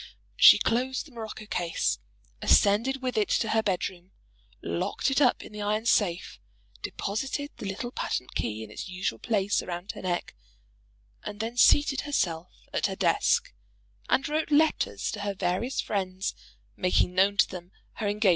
She closed the morocco case, ascended with it to her bed room, locked it up in the iron safe, deposited the little patent key in its usual place round her neck, and then seated herself at her desk, and wrote letters to her various friends, making known to them her engagement.